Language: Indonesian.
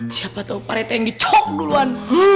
siapa tau pak rete yang dicok duluan